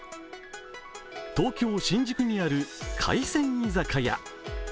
東京・新宿にある海鮮居酒屋。